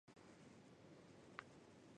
短穗山姜为姜科山姜属下的一个种。